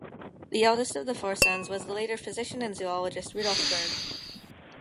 The eldest of the four sons was the later physician and zoologist Rudolph Bergh.